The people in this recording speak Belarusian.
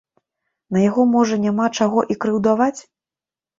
На яго, можа, няма чаго і крыўдаваць.